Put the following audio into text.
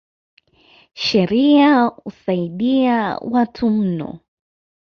Sheria husaidi watu mno.